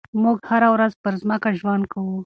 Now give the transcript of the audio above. موږ هره ورځ پر ځمکه ژوند کوو.